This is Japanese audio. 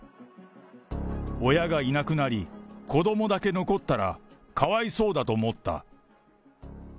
親がいなくなり、子どもだけ残ったら、かわいそうだと思った。